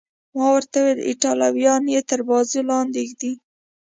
ما ورته وویل: ایټالویان یې تر بازو لاندې ږدي.